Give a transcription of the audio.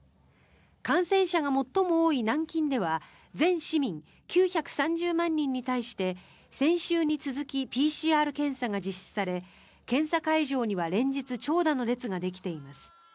感染者が最も多い南京では全市民９３０万人に対して先週に続きＰＣＲ検査が実施され検査会場には連日、長蛇の列ができています。